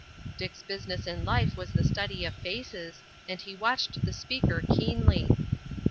Dick's business in life was the study of faces, and he watched the speaker keenly.